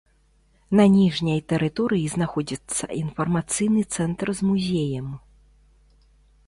На ніжняй тэрыторыі знаходзіцца інфармацыйны цэнтр з музеем.